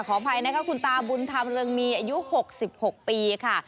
อภัยนะคะคุณตาบุญธรรมเรืองมีอายุ๖๖ปีค่ะ